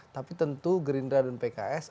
tapi tentu gerindra dan pks